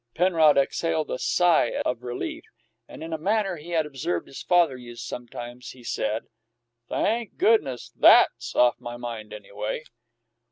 Penrod exhaled a sigh, as of relief, and, in a manner he had observed his father use sometimes, he said: "Thank goodness, that's off my mind, anyway!"